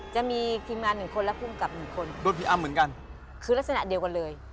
จะมีทีมงานหนึ่งคนและภูมิกับหนึ่งคนโดนผีอำเหมือนกันคือลักษณะเดียวกันเลย